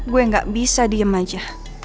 gue gak bisa diem aja